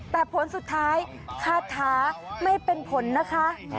แต่ผลสุดท้ายคาถาไม่เป็นผลนะคะ